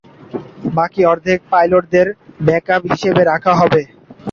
বাকি অর্ধেক পাইলটদের ব্যাকআপ হিসাবে রাখা হবে।